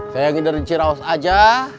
saya ngider di ciraus aja